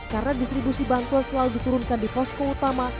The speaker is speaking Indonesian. karena distribusi bantuan selalu diturunkan di posko utama